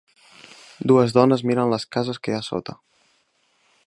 Dues dones miren les cases que hi ha a sota.